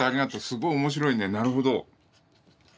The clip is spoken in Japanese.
すごい面白いねなるほど。